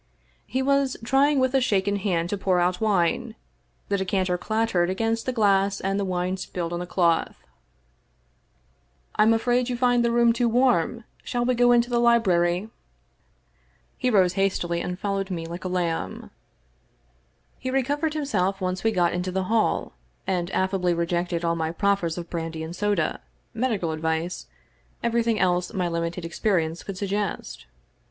He was try ing with a shaken hand to pour out wine. The decanter clattered against the glass and the wine spilled on the cloth. 269 English Mystery Stories " Fm afraid you find the room too warm. Shall we go into the library?" He rose hastily and followed me like a lamb. He recovered himself once we got into the hall, and affably rejected all my proffers of brandy and soda — ^medical advice — everything else my limited experience could sug gest.